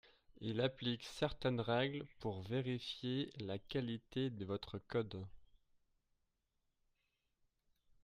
Il applique certaines règles pour vérifier la qualité de votre code